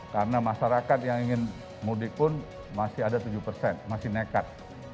karena masyarakat yang ingin mudik pun masih ada tujuh persen masih nekat